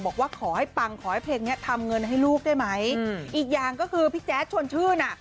บอกว่าขอให้ปังขอให้เพลงเนี้ยทำเงินให้ลูกได้ไหมอีกอย่างก็คือพี่แจ๊ดชวนชื่นอ่ะ